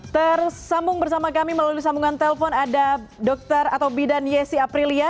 tersambung bersama kami melalui sambungan telpon ada dr atau bidan yesi aprilia